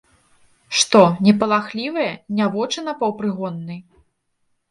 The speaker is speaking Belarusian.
Што, не палахлівыя, не вочы напаўпрыгоннай?